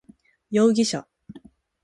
容疑者